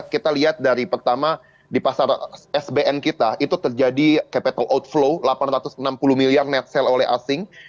kita lihat dari pertama di pasar sbn kita itu terjadi capital outflow delapan ratus enam puluh miliar net sale oleh asing